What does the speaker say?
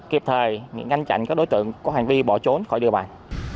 kịp thời ngăn chặn các đối tượng có hành vi bỏ trốn khỏi địa bàn